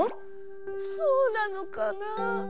そうなのかな？